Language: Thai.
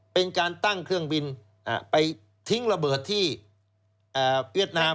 เป็นการตั้งเครื่องบินไปทิ้งระเบิดที่เวียดนาม